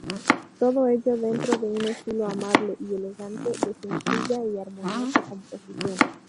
Todo ello dentro de un estilo amable y elegante, de sencilla y armoniosa composición.